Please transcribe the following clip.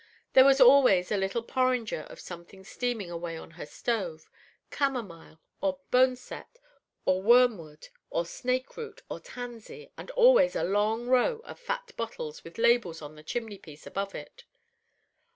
There was always a little porringer of something steaming away on her stove, camomile, or boneset, or wormwood, or snakeroot, or tansy, and always a long row of fat bottles with labels on the chimney piece above it.